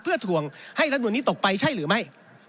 เพื่อถ่วงให้รัฐมนุนนี้ตกไปใช่หรือไม่